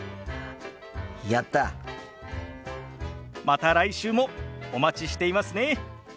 また来週もお待ちしていますね。